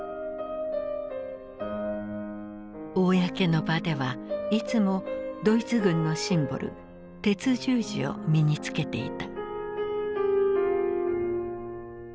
公の場ではいつもドイツ軍のシンボル鉄十字を身につけていた。